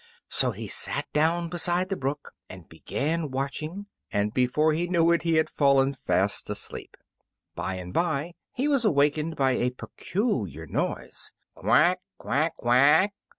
So he sat down beside the brook and begun watching, and before he knew it he had fallen fast asleep. By and by he was awakened by a peculiar noise. "Quack, quack, quack!"